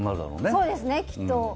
そうですね、きっと。